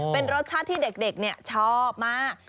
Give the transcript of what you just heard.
เป็นรสชาติที่เด็กชอบมาก